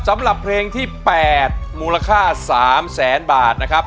สำหรับเพลงที่๘มูลค่า๓แสนบาทนะครับ